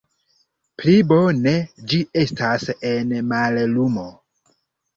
Pli bone ĝi estas en mallumo.